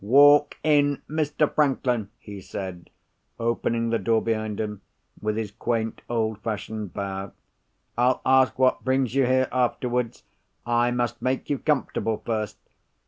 "Walk in, Mr. Franklin," he said, opening the door behind him, with his quaint old fashioned bow. "I'll ask what brings you here afterwards—I must make you comfortable first.